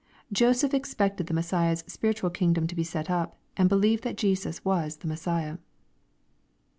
Joseph ex pected the Messiah's spiritual kingdom to be set up, and believed that Jesus was the Messiah.